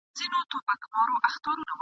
په خبرو سره لمبه وه لکه اور وه ..